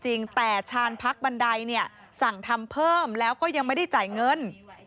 จริงแต่ชาญพักบันไดเนี่ยสั่งทำเพิ่มแล้วก็ยังไม่ได้จ่ายเงิน